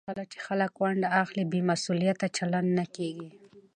کله چې خلک ونډه واخلي، بې مسوولیته چلند نه کېږي.